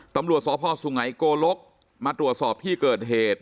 ตำรวจสพสุงัยโกลกมาตรวจสอบที่เกิดเหตุ